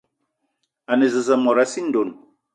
A ne zeze mot a sii ndonn